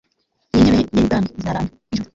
n'intebe ye y'ubwami izarambe nk'ijuru